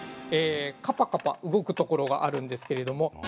かぱかぱ動くところがあるんですけれども。